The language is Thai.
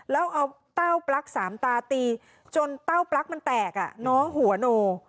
แล้วเอาเต้าปลั๊กสามตาตีจนเต้าปลั๊กมันแตกน้องหัวโน